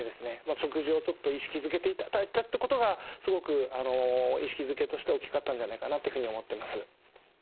食事をちょっと意識づけていただいたってことがすごく意識づけとして大きかったんじゃないかなっていうふうに思ってます。